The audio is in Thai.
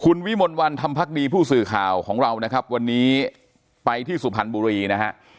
คุณวิมลวันธรรมพักดีผู้สื่อข่าวของเรานะครับวันนี้ไปที่สุพรรณบุรีนะฮะ